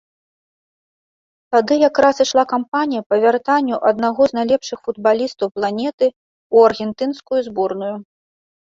Тады якраз ішла кампанія па вяртанню аднаго з найлепшых футбалістаў планеты ў аргентынскую зборную.